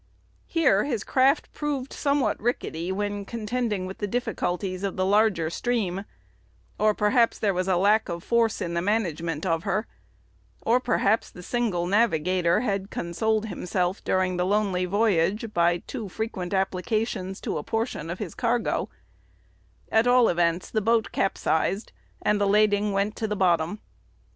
Here his craft proved somewhat rickety when contending with the difficulties of the larger stream, or perhaps there was a lack of force in the management of her, or perhaps the single navigator had consoled himself during the lonely voyage by too frequent applications to a portion of his cargo: at all events, the boat capsized, and the lading went to the bottom.